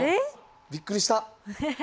びっくりした。